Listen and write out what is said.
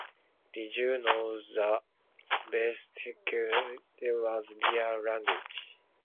Did you know that Basque-Icelandic Pidgin was a real langauge?